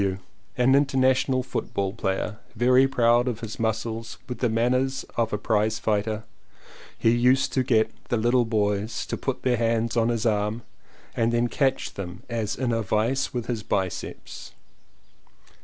W., an international football player, very proud of his muscles and with the man ners of a prizefighter — he used to get little boys to put their hands on his arm and then catch them as in a vice with his biceps.